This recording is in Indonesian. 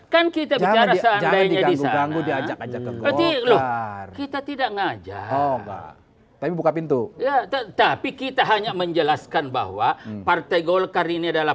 kita tidak ngajak buka pintu tapi kita hanya menjelaskan bahwa partai golkar ini adalah